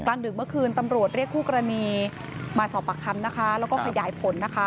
ทางดึงเมื่อคืนตำรวจเรียกคู่กรณีมาสอบปากคำและกายยายผล